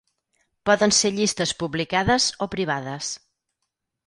Poden ser llistes publicades o privades.